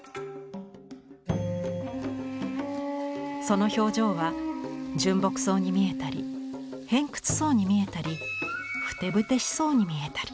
その表情は純朴そうに見えたり偏屈そうに見えたりふてぶてしそうに見えたり。